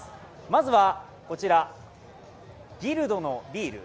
まずは、こちら、ギルドのビール。